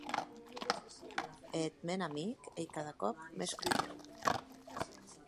E eth mèn amic ei cada còp mès crudèu!